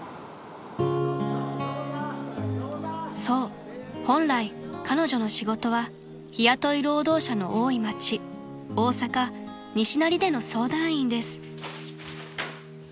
［そう本来彼女の仕事は日雇い労働者の多い町大阪西成での相談員です］